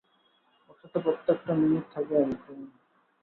ওর সাথে প্রত্যেকটা মিনিট থাকি আমি, তুমি না!